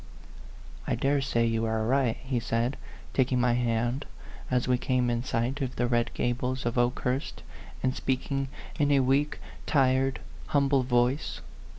" I dare say you are right," he said, taking my hand as we came in sight of the red gables of Okehurst, and speaking in a weak, tired, humble voice.